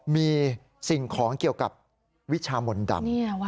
มีสิ่งของเกี่ยวกับวิชามนต์ดำ